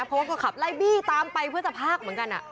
เพราะว่าก็ขับไล่บี้ตามไปเพื่อจะพากเหมือนกัน